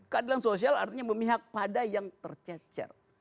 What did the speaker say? keadilan sosial artinya memihak pada yang tercecer